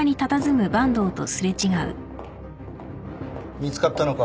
見つかったのか？